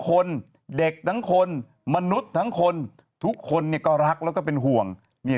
คนเด็กทั้งคนมนุษย์ทั้งคนทุกคนเนี่ยก็รักแล้วก็เป็นห่วงเนี่ย